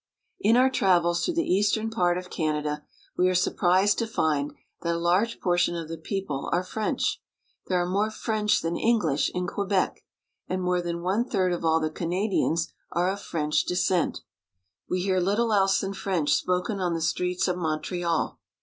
In our travels through the eastern part of Canada, we are surprised to find that a large portion of the people are French. There are more French than English in Quebec, and more than one third of all the Canadians are of French descent. We hear little else than French spoken on the streets of Montreal.